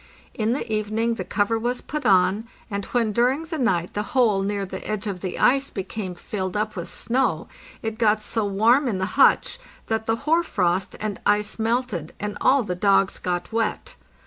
In the evening the cover was put on, and when during the night the hole near the edge of the ice became filled up with snow, it got so warm in the hutch that the hoar frost and ice melted and all the dogs got wet.